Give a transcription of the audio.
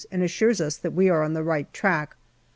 and assures us that we are on the right track.